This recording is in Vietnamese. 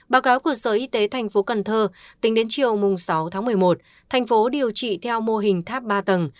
báo cáo của sở y tế tp cần thơ tính đến chiều sáu một mươi một thành phố điều trị theo mô hình tháp ba tầng